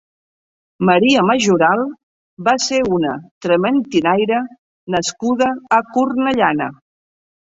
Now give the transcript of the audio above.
Maria Majoral va ser una trementinaire nascuda a Cornellana.